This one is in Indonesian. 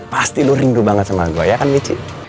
pasti lu rindu banget sama gua ya kan ci